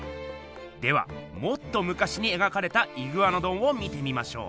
ではもっとむかしに描かれたイグアノドンを見てみましょう。